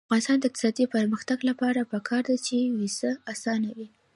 د افغانستان د اقتصادي پرمختګ لپاره پکار ده چې ویزه اسانه وي.